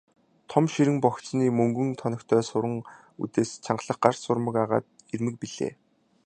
Том ширэн богцны мөнгөн тоногтой суран үдээс чангалах гар сурмаг агаад эрмэг билээ.